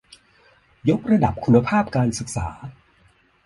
ยกระดับคุณภาพการศึกษา